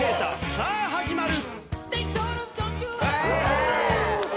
さあ始まる。